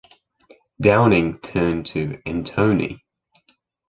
Downing turned to Antoni.